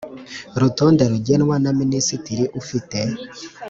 rutonde rugenwa na Minisitiri ufite